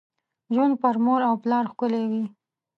ژوند پر مور او پلار ښکلي وي .